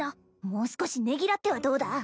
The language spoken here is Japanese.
もう少しねぎらってはどうだ？